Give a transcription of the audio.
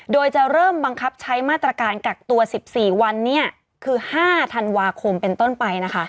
โดยจะเริ่มบังคับใช้มาตรการกักตัว๑๔วันคือ๕ธันวาคมเป็นต้นไปนะคะ